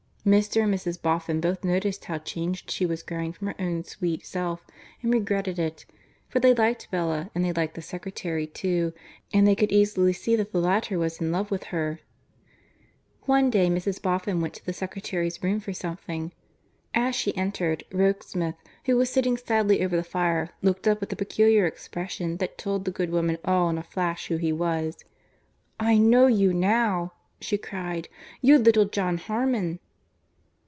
Mr. and Mrs. Boffin both noticed how changed she was growing from her own sweet self and regretted it, for they liked Bella and they liked the secretary, too, and they could easily see that the latter was in love with her. One day Mrs. Boffin went to the secretary's room for something. As she entered, Rokesmith, who was sitting sadly over the fire, looked up with a peculiar expression that told the good woman all in a flash who he was. "I know you now," she cried, "you're little John Harmon!"